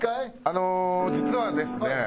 あの実はですね